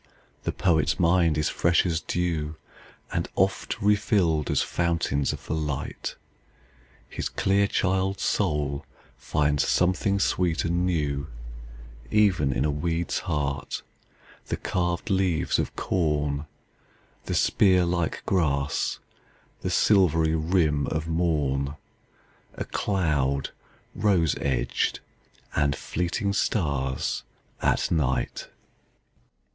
The poet's mind is fresh as dew, And oft refilled as fountains of the light. His clear child's soul finds something sweet and newEven in a weed's heart, the carved leaves of corn, The spear like grass, the silvery rim of morn,A cloud rose edged, and fleeting stars at night!